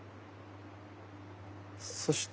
そして。